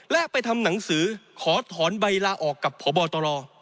และไปทำหนังสือขอถอนใบลาออกกับพบตร